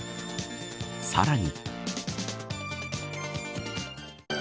さらに。